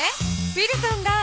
ウィルソンが。